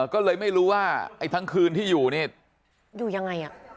ก็เลยไม่รู้ว่าไอ้ทั้งคืนที่อยู่นี่อยู่ยังไง